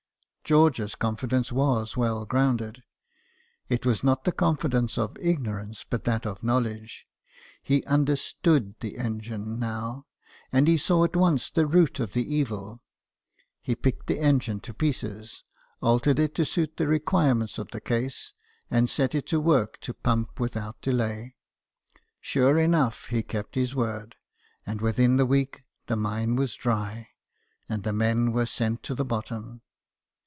George's confidence was well grounded. It was not the confidence of ignorance, but that of knowledge. He understood the engine now, and he saw at once the root of the evil. He picked the engine to pieces, altered it to suit the requirements of the case, and set it to work to pump without delay. Sure enough, he kept his word ; and within the week, the mine was dry, and the men were sent to the bottom.